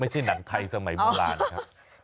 ไม่ใช่หนังไข่สมัยประหลาดนะครับ